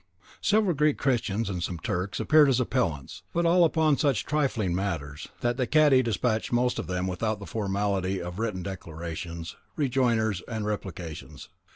Several Greek Christians and some Turks appeared as appellants, but all upon such trifling matters, that the cadi despatched most of them without the formality of written declarations, rejoinders, and replications.